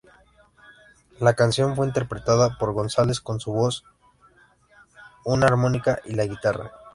La canción fue interpretada por González con su voz, una armónica y su guitarra.